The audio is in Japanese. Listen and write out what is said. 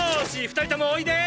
二人ともおいで！